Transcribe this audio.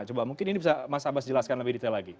coba mungkin ini bisa mas abbas jelaskan lebih detail lagi